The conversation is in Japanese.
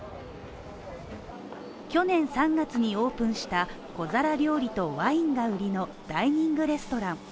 去年３月にオープンした小皿料理とワインが売りのダイニングレストラン。